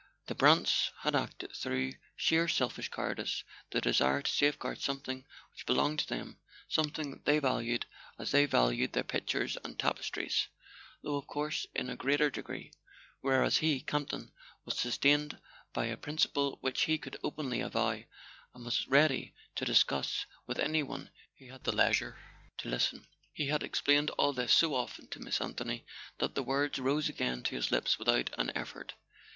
The Brants had acted through sheer selfish cowardice, the desire to safeguard something which belonged to them, something they valued as they valued their pictures and tapestries, though of course in a greater degree; whereas he, Camp ton, was sustained by a prin¬ ciple which he could openly avow, and was ready to discuss with any one who had the leisure to listen. He had explained all this so often to Miss Anthony that the words rose again to his lips without an effort.